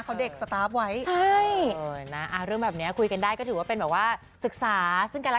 เขาเด็กสตาร์ฟไว้ใช่นะเรื่องแบบนี้คุยกันได้ก็ถือว่าเป็นแบบว่า